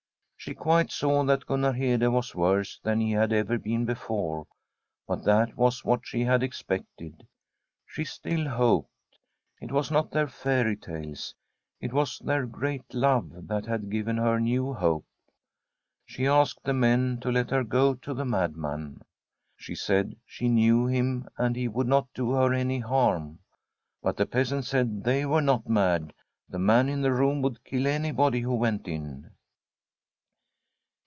She quite saw that Gunnar Hede was worse than he had ever been before, but that was what she had expected. She still hoped. It was not their fairy tales, it was their great love that had given her new hope. She asked the men to let her go to the mad man. She said she knew him, and he would not do her any harm ; but the peasants said they were *^'*♦^^ not mad. The man in the room would kill any body who went in.